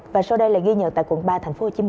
và sau đây là ghi nhận tại quận ba tp hcm